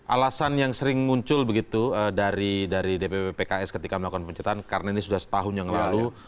alasan yang sering muncul begitu dari dpp pks ketika melakukan pemecatan karena ini sudah setahun yang lalu